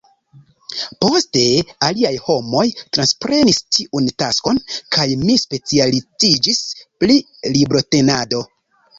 Poste aliaj homoj transprenis tiun taskon, kaj mi specialistiĝis pri librotenado.